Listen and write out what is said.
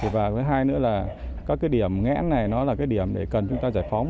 và với hai nữa là các điểm nghẽn này là điểm để cần chúng ta giải phóng